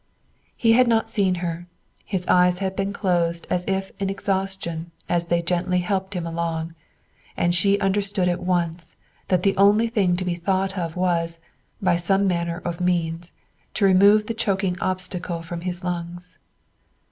He had not seen her; his eyes had been closed as if in exhaustion as they gently helped him along, and she had understood at once that the only thing to be thought of was, by some manner of means, to remove the choking obstacle from his lungs.